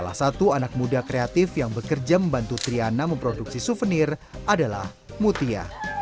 salah satu anak muda kreatif yang bekerja membantu triana memproduksi souvenir adalah mutia